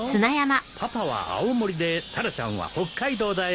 パパは青森でタラちゃんは北海道だよ。